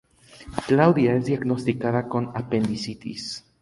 Claudia es diagnosticada con apendicitis.